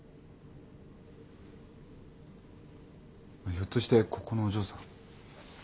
ひょっとしてここのお嬢さん？違います。